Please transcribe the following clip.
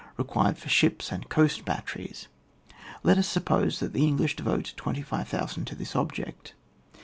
required for ships and coast batteries. Let us suppose that the English devote 25^000 to this object.